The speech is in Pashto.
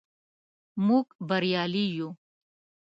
موږ بریالي یو.